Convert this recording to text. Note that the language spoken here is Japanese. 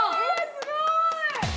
すごい！